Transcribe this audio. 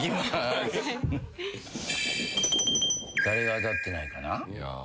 誰が当たってないかな？